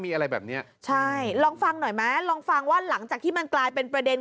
มีอะไรแบบเนี้ยใช่ลองฟังหน่อยไหมลองฟังว่าหลังจากที่มันกลายเป็นประเด็น